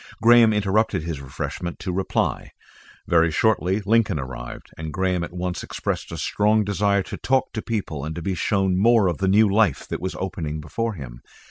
Graham interrupted his refreshment to reply. Very shortly Lincoln arrived, and Graham at once expressed a strong desire to talk to people and to be shown more of the new life that was opening before him.